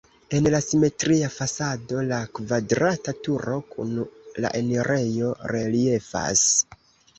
En la simetria fasado la kvadrata turo kun la enirejo reliefas.